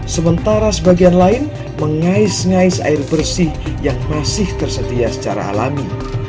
sementara sebagian lain mengais ngais air bersih yang masih tersedia secara alami